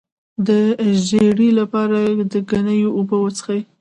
د ژیړي لپاره د ګنیو اوبه وڅښئ